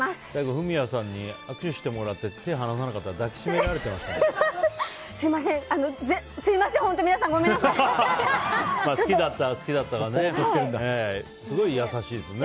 フミヤさんに握手してもらって手を離さなかったら抱きしめられてたね。